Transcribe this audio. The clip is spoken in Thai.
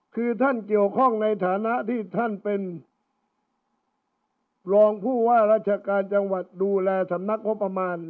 คือท่านเกี่ยวข้องในฐานะที่ท่านเป็นรองผู้ว่าราชการจังหวัดดูแลสำนักงบประมาณ